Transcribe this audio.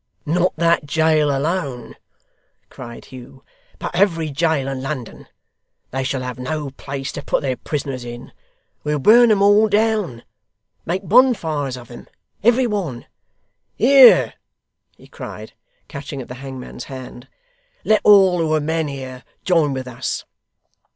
'Not that jail alone,' cried Hugh, 'but every jail in London. They shall have no place to put their prisoners in. We'll burn them all down; make bonfires of them every one! Here!' he cried, catching at the hangman's hand. 'Let all who're men here, join with us.